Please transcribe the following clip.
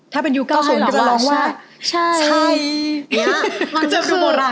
ถ้าเป็นยุค๙๐จะร้องว่า